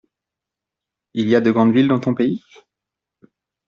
Il y a de grandes villes dans ton pays ?